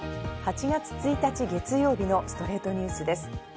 ８月１日、月曜日の『ストレイトニュース』です。